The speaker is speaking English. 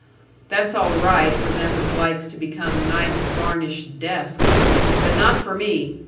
That's all right for them as likes to become nice varnished desks, but not for me!